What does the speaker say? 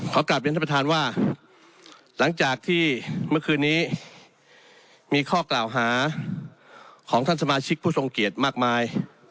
กลับเรียนท่านประธานว่าหลังจากที่เมื่อคืนนี้มีข้อกล่าวหาของท่านสมาชิกผู้ทรงเกียจมากมาย